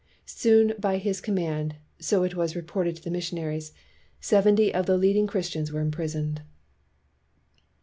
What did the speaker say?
" Soon by his command, so it was reported to the missionaries, seventy of the leading Christians were imprisoned.